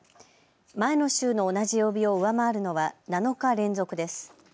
前の週の同じ曜日を上回るのは７日連続です。